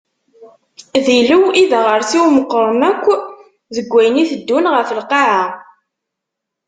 D ilew i d aɣersiw meqqren akk deg ayen iteddun ɣef lqaɛa.